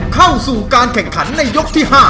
เข้าสู่การแข่งขันในยกที่๕